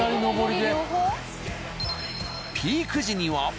ピーク時には。